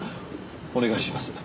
お願いします。